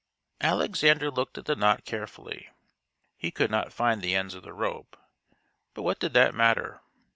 Alexander looked at the knot carefully. He could not find the ends of the rope; but what did that matter?